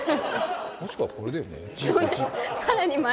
もしくは、これだよね。